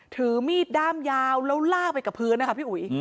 ถือมีดด้ามยาวแล้วลากไปกับพื้นนะคะพี่อุ๋ย